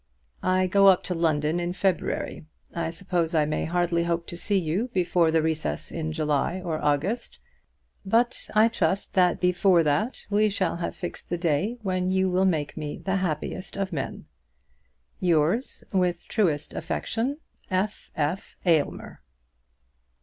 I go up to London in February. I suppose I may hardly hope to see you before the recess in July or August; but I trust that before that we shall have fixed the day when you will make me the happiest of men. Yours, with truest affection, F. F. AYLMER.